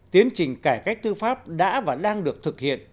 tiến trình cải cách tư pháp đã và đang được thực hiện